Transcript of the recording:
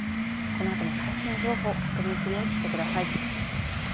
このあとも最新情報を確認するようにしてください。